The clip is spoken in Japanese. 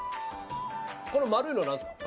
この丸いの何すか？